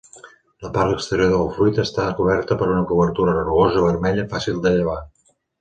La part exterior del fruit està coberta per una cobertura rugosa vermella fàcil de llevar.